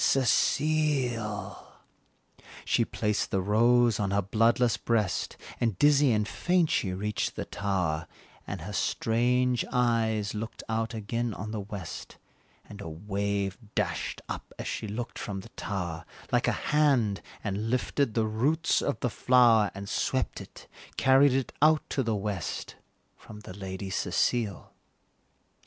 Cecile!" She placed the rose on her bloodless breast, And dizzy and faint she reached the tower, And her strange eyes looked out again on the west, And a wave dashed up, as she looked from the tower, Like a hand, and lifted the roots of the flower, And swept it carried it out to the west, From the Lady Cecile.